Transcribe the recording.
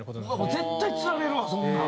絶対つられるわそんなん。